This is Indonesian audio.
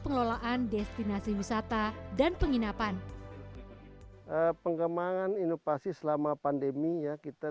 pengelolaan destinasi wisata dan penginapan pengembangan inovasi selama pandemi ya kita